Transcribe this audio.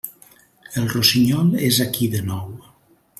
El rossinyol és aquí de nou.